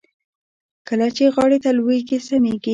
کله چې غاړې ته ولوېږي سميږي.